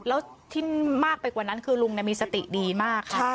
แล้วที่มากไปกว่านั้นคือลุงมีสติดีมากค่ะ